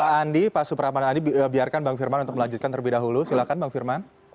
pak andi pak supraman andi biarkan bang firman untuk melanjutkan terlebih dahulu silahkan bang firman